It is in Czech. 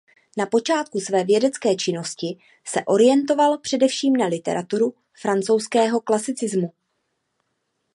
Na počátku své vědecké činnosti se orientoval především na literaturu francouzského klasicismu.